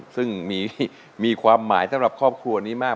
ซึ่งมีความหมายสำหรับครอบครัวนี้มาก